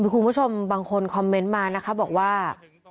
คุณผู้ชมบางคนคอมเมนต์มานะคะบอกว่า